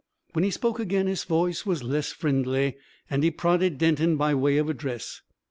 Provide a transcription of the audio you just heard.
When he spoke again his voice was less friendly, and he prodded Denton by way of address.